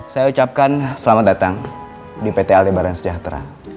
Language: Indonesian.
saya ucapkan selamat datang di pt a lebaran sejahtera